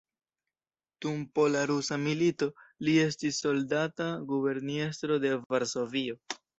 Dum pola-rusa milito li estis soldata guberniestro de Varsovio.